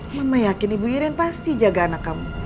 mama yakin ibu irin pasti jaga anak kamu